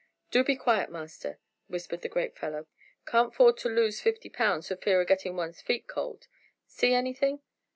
"Do be quiet, master," whispered the great fellow. "Can't 'ford to lose fifty pounds for fear o' getting one's feet cold. See anything?"